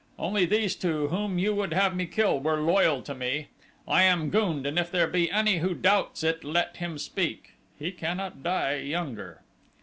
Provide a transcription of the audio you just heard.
Only these two, whom you would have me kill, were loyal to me. I am gund and if there be any who doubts it let him speak he cannot die younger."